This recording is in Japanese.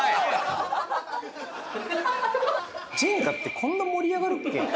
ジェンガってこんな盛り上がるっけ？